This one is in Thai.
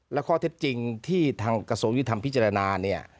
และข้อเท็จจริงที่ทางกระทรวงยุทธรรมพิจารณาเนี่ย